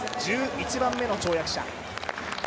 １１番目の跳躍者。